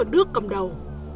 đức cầm đầu